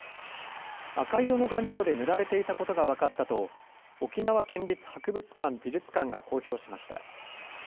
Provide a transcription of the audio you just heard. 赤色の顔料で塗られていたことが分かったと、沖縄県立博物館・美術館が公表しました。